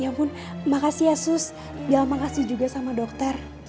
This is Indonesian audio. ya ampun makasih ya sus biar makasih juga sama dokter